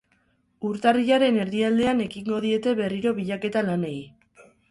Urtarrilaren erdialdean ekingo diete berriro bilaketa lanei.